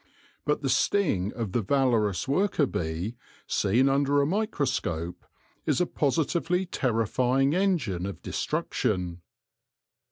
But the sting of the valorous worker bee, seen under a microscope, is a positively terrifying engine of de struction.